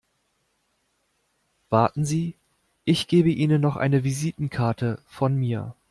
Warten Sie, ich gebe Ihnen noch eine Visitenkarte von mir.